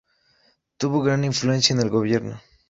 Tuvo gran influencia en el gobierno.